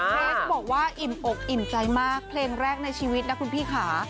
เคสบอกว่าอิ่มอกอิ่มใจมากเพลงแรกในชีวิตนะคุณพี่ค่ะ